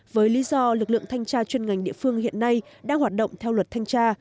với lý do lực lượng thanh tra chuyên ngành địa phương hiện nay đang hoạt động theo luật thanh tra